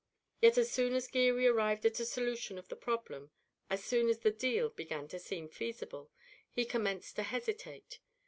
Yet as soon as Geary arrived at a solution of the problem, as soon as the "deal" began to seem feasible, he commenced to hesitate.